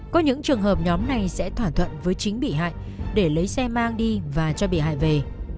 có những trường hợp nhóm này sẽ thỏa thuận với chính bị hại để lấy xe mang đi và cho bị hại về